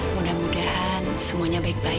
mudah mudahan semuanya baik baik